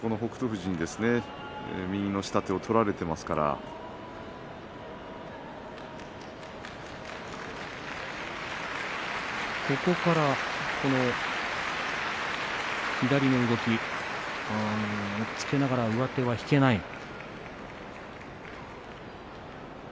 富士に右の下手を取られていますからここから左の動き押っつけながら上手は引けません。